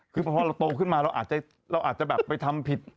คือพอเราโตขึ้นมาเราอาจจะไปทำผิด